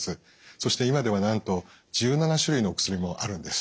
そして今ではなんと１７種類のお薬もあるんです。